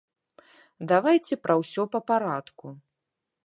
Давайце пра ўсё па парадку.